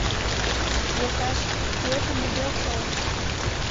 — Йолташ, тулетым нигӧ ок шолышт!